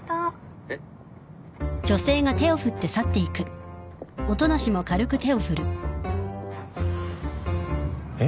えっ？えっ？